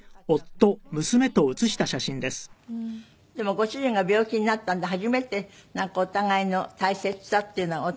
でもご主人が病気になったんで初めてお互いの大切さっていうのを。